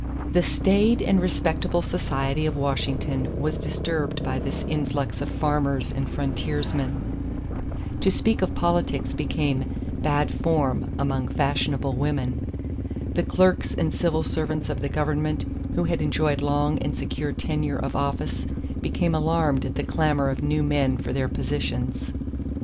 = The staid and respectable society of Washington was disturbed by this influx of farmers and frontiersmen. To speak of politics became "bad form" among fashionable women. The clerks and civil servants of the government who had enjoyed long and secure tenure of office became alarmed at the clamor of new men for their positions.